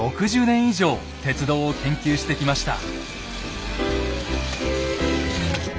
６０年以上鉄道を研究してきました。